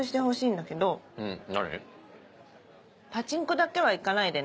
パチンコだけは行かないでね。